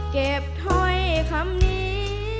เก็บถ้อยคำนี้